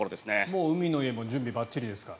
もう海の家も準備ばっちりですか。